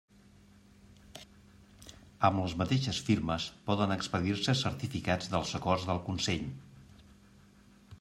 Amb les mateixes firmes poden expedir-se certificats dels acords del Consell.